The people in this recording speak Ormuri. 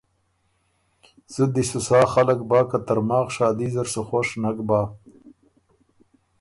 زُت دی سُو سا خلق بۀ که ترماخ شادي زر خوش نک بَۀ